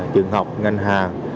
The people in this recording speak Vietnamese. trường học ngân hàng